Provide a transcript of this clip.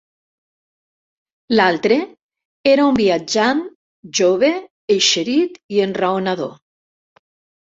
L'altre, era un viatjant, jove, eixerit i enraonador